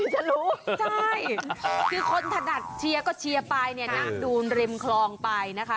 จะรู้ใช่คือคนถนัดเชียร์ก็เชียร์ไปเนี่ยนั่งดูริมคลองไปนะคะ